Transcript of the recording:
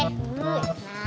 nah duduk dulu ya